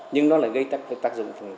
nhưng nó lại gây tác dụng